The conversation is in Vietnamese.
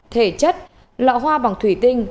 thể chất lọ hoa bằng thủy tinh